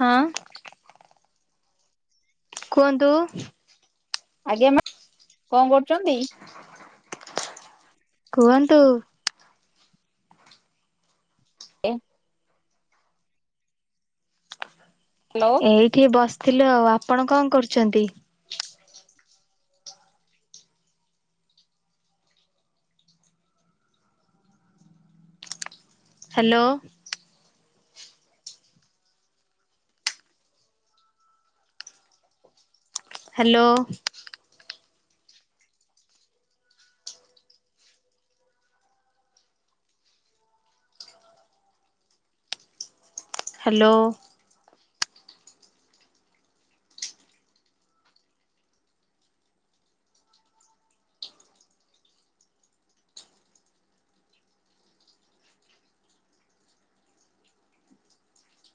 ହଁ। କୁହନ୍ତୁ। ଆଜ୍ଞା ମା କଣ କରୁଛନ୍ତି? କୁହନ୍ତୁ। ଏ। ହ୍ୟାଲୋ। ଏଇଠି ବସିଥିଲୁ ଆଉ ଆପଣ କଣ କରୁଛନ୍ତି? ହ୍ୟାଲୋ। ହ୍ୟାଲୋ। ହ୍ୟାଲୋ।